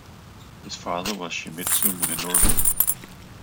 His father was Shimizu Munenori.